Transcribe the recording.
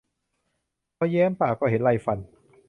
พอแย้มปากก็เห็นไรฟัน